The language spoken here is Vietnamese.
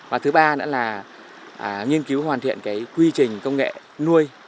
và thứ ba nữa là nghiên cứu hoàn thiện quy trình công nghệ nuôi